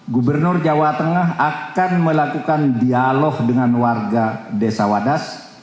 gubernur jawa tengah akan melakukan dialog dengan warga desa wadas